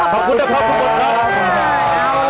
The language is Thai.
ขอบคุณครับขอบคุณครับ